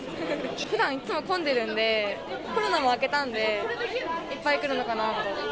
ふだん、いっつも混んでるんで、コロナも明けたので、いっぱい来るのかなと。